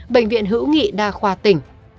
bệnh viện hữu nghị đa khoa tỉnh